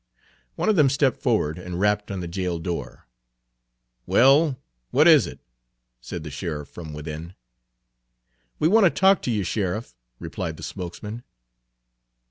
One of them stepped forward and rapped on the jail door. "Well, what is it?" said the sheriff, from within. "We want to talk to you, Sheriff," replied the spokesman.